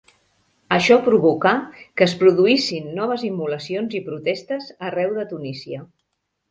Això provocà que es produïssin noves immolacions i protestes arreu de Tunísia.